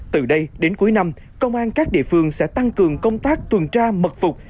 từ đây đến cuối năm công an các địa phương sẽ tăng cường công tác tuần tra mật phục